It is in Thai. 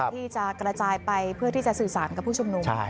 ที่จะกระจายไปเพื่อที่จะสื่อสารกับผู้ชุมนุม